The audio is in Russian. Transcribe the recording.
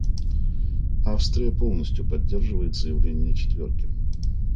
Австрия полностью поддерживает заявление «четверки».